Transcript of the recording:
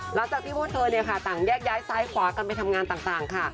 หลังจากที่พวกเธอต่างแยกย้ายซ้ายขวากันไปทำงานต่างค่ะ